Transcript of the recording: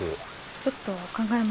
ちょっと考えます。